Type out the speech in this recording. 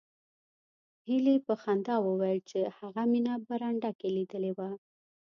هیلې په خندا وویل چې هغه مینه په برنډه کې لیدلې وه